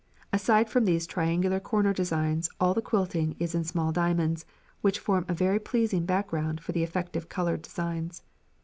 Aside from these triangular corner designs all the quilting is in small diamonds, which form a very pleasing background for the effective coloured designs.